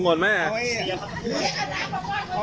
สวัสดีครับคุณแฟม